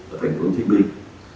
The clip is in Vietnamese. ở thành phố hồ chí minh